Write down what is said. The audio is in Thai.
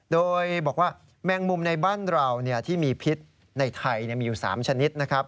โดยบอกว่าแมงมุมในบ้านเราที่มีพิษในไทยมีอยู่๓ชนิดนะครับ